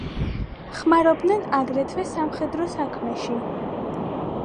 ხმარობდნენ აგრეთვე სამხედრო საქმეში.